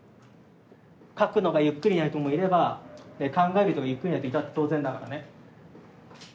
書くのがゆっくりな人もいれば考えるゆっくりな人いたって当然だからね。